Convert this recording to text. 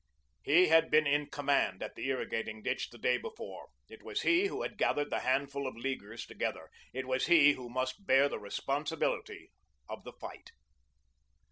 He had been in command at the irrigating ditch the day before. It was he who had gathered the handful of Leaguers together. It was he who must bear the responsibility of the fight.